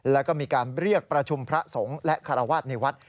แล้วก็มีการเรียกประชุมพระสงฆ์และคารวาสในวัด